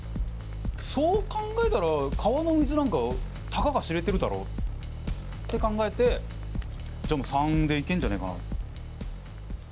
そう考えたら川の水なんかたかが知れてるだろうって考えてじゃもう③でいけんじゃねえかな。